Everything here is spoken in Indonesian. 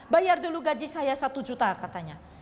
bayar dulu gaji saya satu juta katanya